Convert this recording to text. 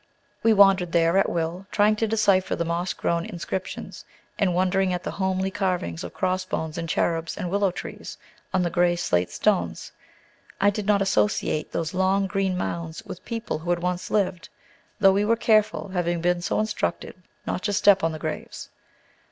We wandered there at will, trying to decipher the moss grown inscriptions, and wondering at the homely carvings of cross bones and cherubs and willow trees on the gray slate stones. I did not associate those long green mounds with people who had once lived, though we were careful, having been so instructed, not to step on the graves.